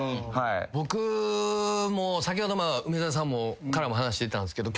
僕も先ほど梅沢さんからも話出たんですけど。